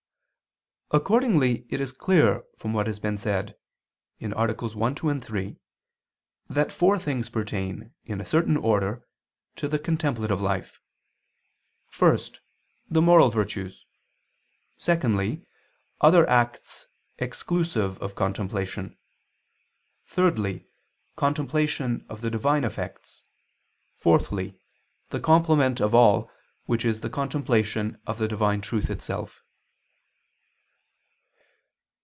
Accordingly it is clear from what has been said (AA. 1, 2, 3) that four things pertain, in a certain order, to the contemplative life; first, the moral virtues; secondly, other acts exclusive of contemplation; thirdly, contemplation of the divine effects; fourthly, the complement of all which is the contemplation of the divine truth itself.